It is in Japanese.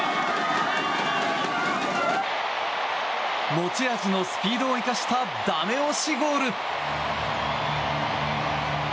持ち味のスピードを生かしたダメ押しゴール！